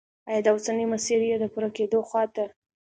آیا دا اوسنی مسیر یې د پوره کېدو خواته